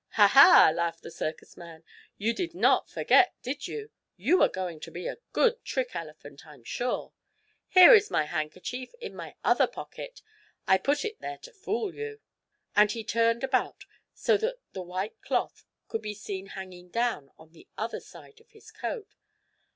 "Ha! Ha!" laughed the circus man, "You did not forget, did you? You are going to be a good trick elephant, I'm sure. Here is my handkerchief, in my other pocket. I put it there to fool you!" and he turned about so that the white cloth could be seen hanging down on the other side of his coat.